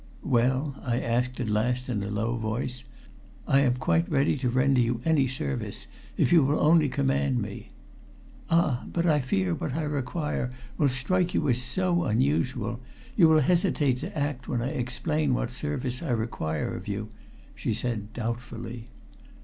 "Well?" I asked at last in a low voice. "I am quite ready to render you any service, if you will only command me." "Ah! But I fear what I require will strike you as so unusual you will hesitate to act when I explain what service I require of you," she said doubtfully.